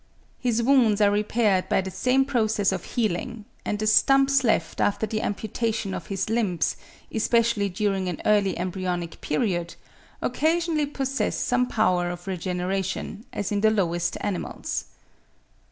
His wounds are repaired by the same process of healing; and the stumps left after the amputation of his limbs, especially during an early embryonic period, occasionally possess some power of regeneration, as in the lowest animals.